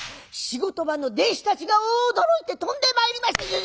仕事場の弟子たちが驚いて飛んでまいります。